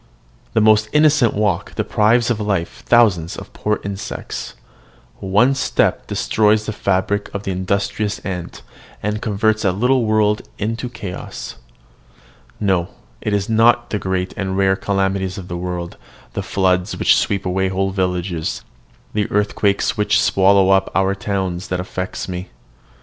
The most innocent walk deprives of life thousands of poor insects: one step destroys the fabric of the industrious ant, and converts a little world into chaos. No: it is not the great and rare calamities of the world, the floods which sweep away whole villages, the earthquakes which swallow up our towns, that affect me.